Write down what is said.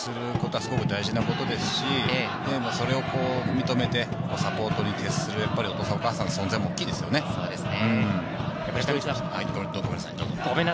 挑戦することは大事なことですし、それを踏み止めて、サポートに徹するお父さん、お母さんの存在も大きいですよね。